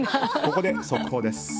ここで速報です。